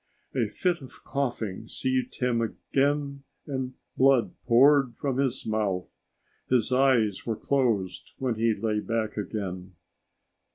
A fit of coughing seized him again and blood poured from his mouth. His eyes were closed when he lay back again.